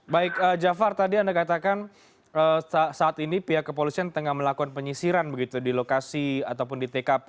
baik jafar tadi anda katakan saat ini pihak kepolisian tengah melakukan penyisiran begitu di lokasi ataupun di tkp